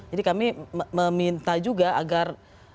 kami meminta juga agar